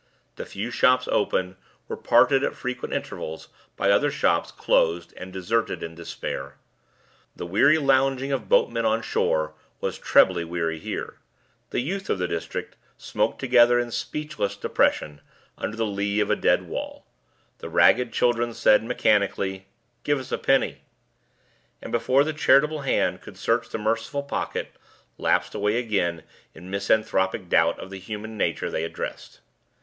The few shops open were parted at frequent intervals by other shops closed and deserted in despair. The weary lounging of boatmen on shore was trebly weary here; the youth of the district smoked together in speechless depression under the lee of a dead wall; the ragged children said mechanically: "Give us a penny," and before the charitable hand could search the merciful pocket, lapsed away again in misanthropic doubt of the human nature they addressed.